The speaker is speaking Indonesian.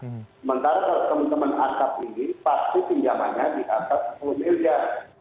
sementara kalau teman teman asap ini pasti pinjamannya di atas sepuluh miliar